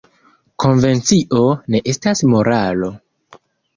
Konvencio ne estas moralo.